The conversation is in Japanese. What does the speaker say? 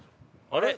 あれ？